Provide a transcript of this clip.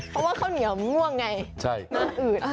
เพราะว่าข้าวเหนียวมะม่วงไงหน้าอืด